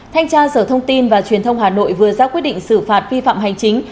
thanh tra sở thông tin và truyền thông hà nội vừa ra quyết định xử phạt vi phạm hành chính